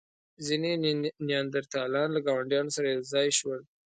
ځینې نیاندرتالان له ګاونډيو انسانانو سره یو ځای شول.